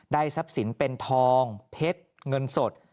ได้ทรัพย์สินภายเป็นทองเผ็ดเงินสด